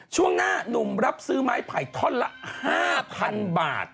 ช่วงหน้านุ่มรับซื้อไม้ไผ่ท่อนละ๕๐๐๐บาท